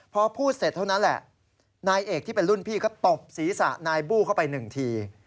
พอพูดเสร็จเท่านั้นแหละนายเอกที่เป็นรุ่นพี่ก็ตบศีรษะนายบู้เข้าไปหนึ่งที